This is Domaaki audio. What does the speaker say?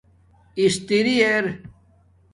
استری اِر